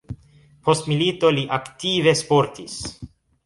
Post milito li aktive sportis.